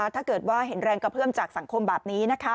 ถ้าเกิดว่าเห็นแรงกระเพื่อมจากสังคมแบบนี้